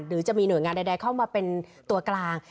หรือจะมีหน่วยงานใดเข้ามาเป็นตัวกลาง